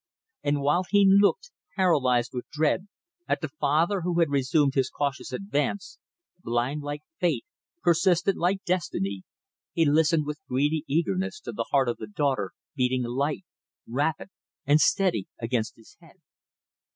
And while he looked, paralyzed with dread, at the father who had resumed his cautious advance blind like fate, persistent like destiny he listened with greedy eagerness to the heart of the daughter beating light, rapid, and steady against his head.